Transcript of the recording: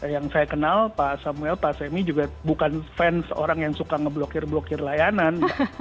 yang saya kenal pak samuel pak semi juga bukan fans orang yang suka ngeblokir blokir layanan